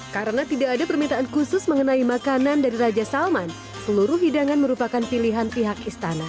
karena tidak ada permintaan khusus mengenai makanan dari raja salman seluruh hidangan merupakan pilihan pihak istana